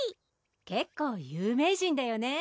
結構有名人だよね